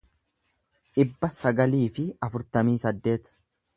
dhibba sagalii fi afurtamii saddeet